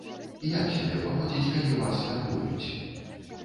Як сябе паводзіць, калі вас вярбуюць?